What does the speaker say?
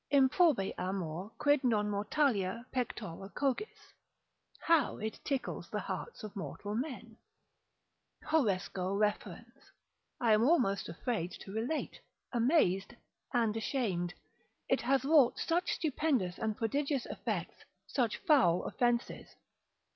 Improbe amor quid non mortalia pectora cogis? How it tickles the hearts of mortal men, Horresco referens,—I am almost afraid to relate, amazed, and ashamed, it hath wrought such stupendous and prodigious effects, such foul offences.